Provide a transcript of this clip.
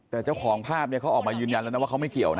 แต่เจ้าของภาพเนี่ยเขาออกมายืนยันแล้วนะว่าเขาไม่เกี่ยวนะ